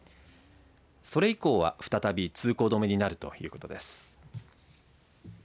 それ以降は再び通行止めになるということです。